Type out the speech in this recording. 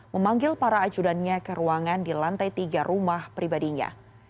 memanggil para ajudannya ke ruangan di lantai tiga rumah pribadinya